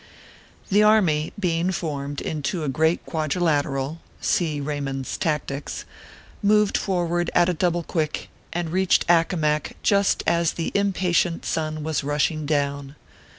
The Army being formed into a Great Quadrilateral (See Raymond s Tactics), moved forward at a double quick, and reached Accomac just as the impatient sun was rushing down.